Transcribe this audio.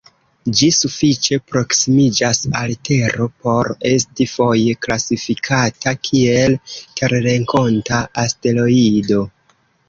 Ĝi sufiĉe proksimiĝas al Tero por esti foje klasifikata kiel terrenkonta asteroido.